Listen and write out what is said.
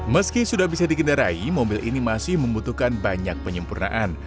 meski sudah bisa dikendarai mobil ini masih membutuhkan banyak penyempurnaan